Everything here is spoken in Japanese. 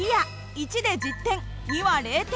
１で１０点２は０点。